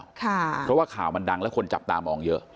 เพราะว่าข่าวมันดังแล้วคนจับตามองเยอะ